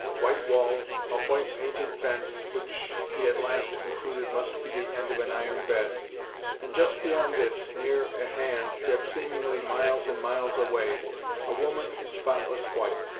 White walls, a white painted fence, which he at last concluded must be the end of an iron bed, and just beyond this, near at hand yet seemingly miles and miles away, a woman in spotless white.